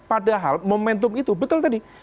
padahal momentum itu betul tadi